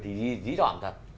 thì dí dọn thật